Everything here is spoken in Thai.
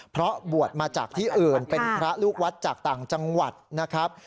เพราะบวชมาจากที่อื่นเป็นพระลูกวัดจากต่างจังหวัดนะครับ